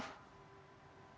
terima kasih bapak